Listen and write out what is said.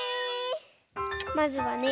まずはね。